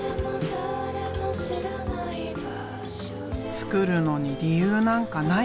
作るのに理由なんかない。